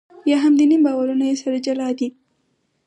یا هم دیني باورونه یې سره جلا دي.